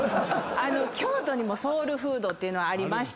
京都にもソウルフードっていうのありまして。